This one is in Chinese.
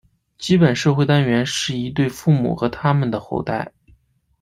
基本社会单元是一对父母和它们的后代。